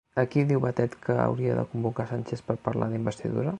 A qui diu Batet que hauria de convocar Sánchez per parlar d'investidura?